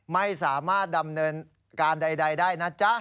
ไม่สามารถดำเนินการใดได้นะจ๊ะ